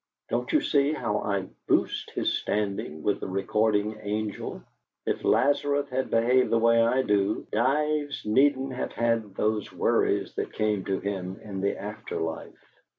Don't you see how I boost his standing with the Recording Angel? If Lazarus had behaved the way I do, Dives needn't have had those worries that came to him in the after life."